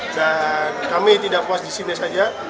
dan kami tidak puas di sini saja